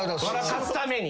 かすために。